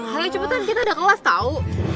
aduh cepetan kita ada kelas tau